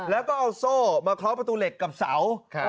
แล้วก็เอาโซ่มาเคาะประตูเหล็กกับเสา